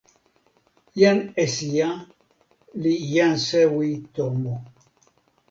jan Esija li jan sewi tomo.